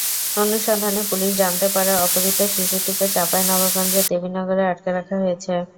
অনুসন্ধানে পুলিশ জানতে পারে অপহৃত শিশুটিকে চাঁপাইনবাবগঞ্জের দেবীনগরে আটকে রাখা হয়েছে।